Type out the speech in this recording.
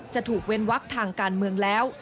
จะถูกเว้นวักทางการเมืองแล้ว